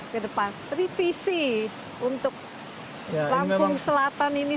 ke depan revisi untuk rangkung selatan ini ke depan revisi untuk rangkung selatan ini